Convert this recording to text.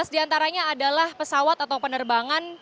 sebelas diantaranya adalah pesawat atau penerbangan